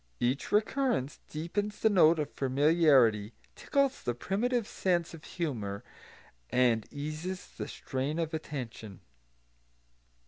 Each recurrence deepens the note of familiarity, tickles the primitive sense of humour, and eases the strain of attention.